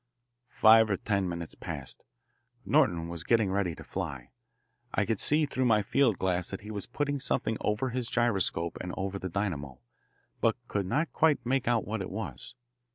Five or ten minutes passed. Norton was getting ready to fly. I could see through my field glass that he was putting something over his gyroscope and over the dynamo, but could not quite make out what it was.